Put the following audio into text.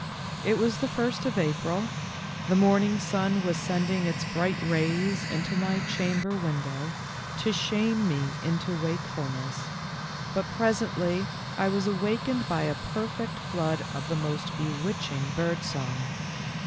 It was the first of April, the morning sun was sending its bright rays into my chamber window, to shame me into wakefulness, but presently I was awakened by a perfect flood of the most bewitching bird song.